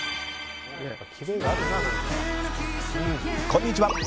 こんにちは。